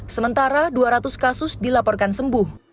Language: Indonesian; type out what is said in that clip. sementara dua ratus kasus dilaporkan sembuh